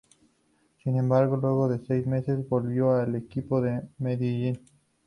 Sin embargo, luego de seis meses, volvió al equipo de Medellín.